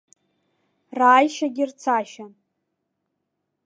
Рааишьагьы рцашьан.